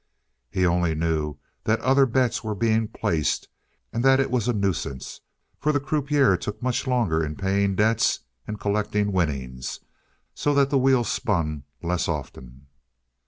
He only knew that other bets were being placed and that it was a nuisance, for the croupier took much longer in paying debts and collecting winnings, so that the wheel spun less often.